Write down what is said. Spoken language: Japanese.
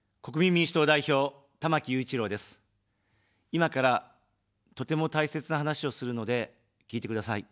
今から、とても大切な話をするので聞いてください。